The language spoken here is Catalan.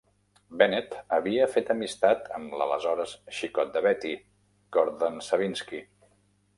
Bennett havia fet amistat amb l'aleshores xicot de Betty, Gordon Savinski.